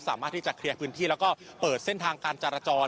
สามารถที่จะเคลียร์พื้นที่แล้วก็เปิดเส้นทางการจราจร